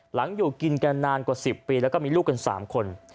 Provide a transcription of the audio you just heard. อยู่กินกันนานกว่า๑๐ปีแล้วก็มีลูกกัน๓คน